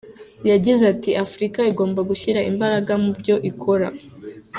Yagize ati : ”Afurika igomba gushyira imbaraga mubyo ikora”.